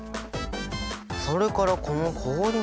それからこの氷水は。